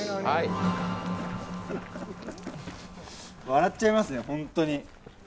笑っちゃいますね、本当に。